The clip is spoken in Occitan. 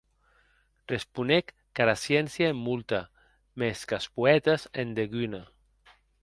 Responec qu'ara sciéncia en molta; mès qu'as poètes en deguna.